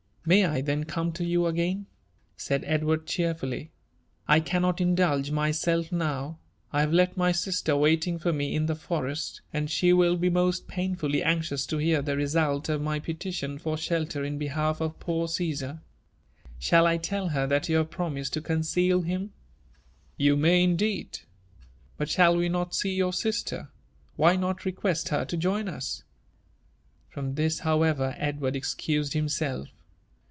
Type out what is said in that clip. May I then come to you again?" said Edward obeerfuUy 51 cannot indulge myself now ;— I have left my sister waiting for me in the forest, and she will be most painfully anxious to bear the result of my petition for shelter in behalf of poor Caesar. Shall I tell her |hat you have promised to conceal him?" You may, indeed. But shall we not sen your sister ? «why not request her to join us V From this, howeveri Edward excused himself.